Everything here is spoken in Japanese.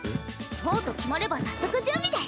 そうと決まれば早速準備です。